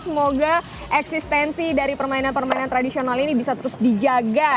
semoga eksistensi dari permainan permainan tradisional ini bisa terus dijaga